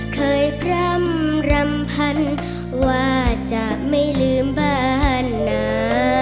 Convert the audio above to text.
พร่ำรำพันว่าจะไม่ลืมบ้านหนา